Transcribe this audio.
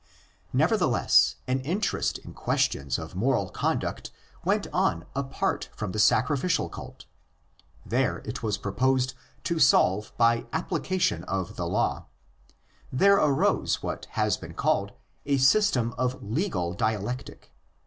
Nevertheless, an interest in questions of moral conduct went on apart from the sacrificial cult. These it was proposed to solve by application of '' the law."" There arose what has been called a system of '* legal dialectic."